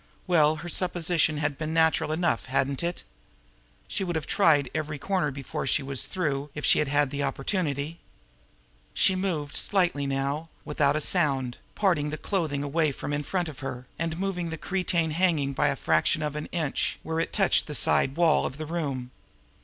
Well, her supposition had been natural enough, hadn't it? And she would have tried every corner before she was through if she had had the opportunity. She moved now slightly, without a sound, parting the clothing away from in front of her, and moving the cretonne hanging by the fraction of an inch where it touched the side wall of the room.